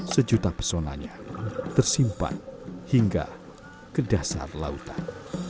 sejuta pesonanya tersimpan hingga ke dasar lautan